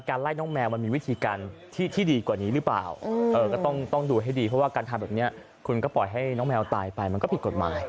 ไล่น้องแมวมันมีวิธีการที่ดีกว่านี้หรือเปล่าก็ต้องดูให้ดีเพราะว่าการทำแบบนี้คุณก็ปล่อยให้น้องแมวตายไปมันก็ผิดกฎหมาย